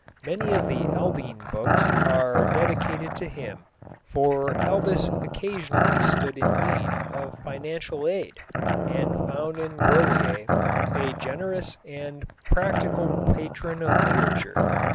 Many of the Aldine books are dedicated to him, for Aldus occasionally stood in need of financial aid and found in Grolier a generous and practical patron of literature.